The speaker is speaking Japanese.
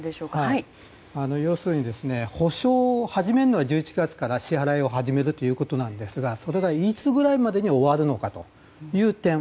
つまり、補償を始めるのは１１月から支払いを始めるということですがそれが、いつぐらいまでに終わるのかという点。